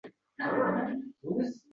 Bu sizning katta iltifotingizdir.